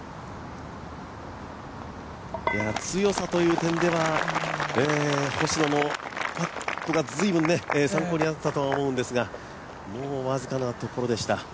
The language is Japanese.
強さという点では、星野のパットが随分参考になったと思うんですがもう僅かなところでした。